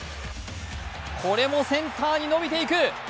これもセンターに伸びていく。